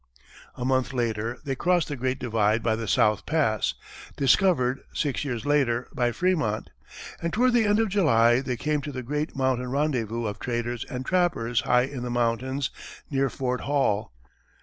A month later, they crossed the Great Divide by the South Pass, "discovered," six years later, by Frémont; and toward the end of July, they came to the great mountain rendezvous of traders and trappers high in the mountains near Fort Hall.